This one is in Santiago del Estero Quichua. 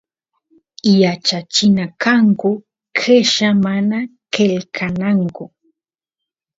yachachina kanku qella mana qelqananku